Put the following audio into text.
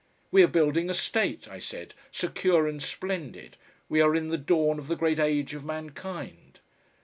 "We are building a state," I said, "secure and splendid, we are in the dawn of the great age of mankind."